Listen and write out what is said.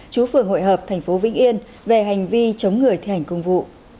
chú phường hội hợp tp vĩnh yên về hành vi chống người thi hành công vụ